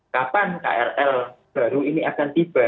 kapan krl baru ini akan tiba